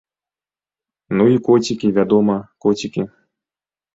Ну і коцікі, вядома, коцікі.